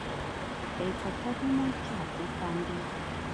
که یې فرصت وموند چاپ دې کاندي.